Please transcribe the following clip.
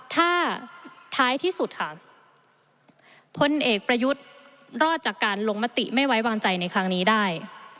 ถ้าท้ายที่สุดค่ะพลเอกประยุทธ์รอดจากการลงมติไม่ไว้วางใจในครั้งนี้ได้